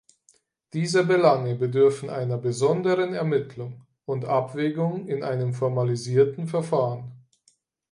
Diese Belange bedürfen einer besonderen Ermittlung und Abwägung in einem formalisierten Verfahren.